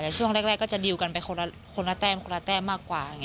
แต่ช่วงแรกก็จะดีลกันไปคนละแต้มคนละแต้มมากกว่า